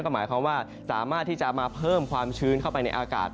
ก็หมายความว่าสามารถที่จะมาเพิ่มความชื้นเข้าไปในอากาศ